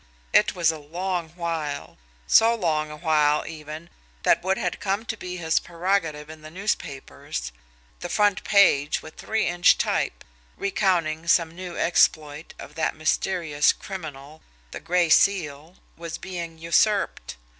It was a long while so long a while even that what had come to be his prerogative in the newspapers, the front page with three inch type recounting some new exploit of that mysterious criminal the Gray Seal, was being usurped.